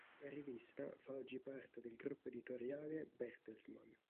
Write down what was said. La rivista fa oggi parte del gruppo editoriale Bertelsmann.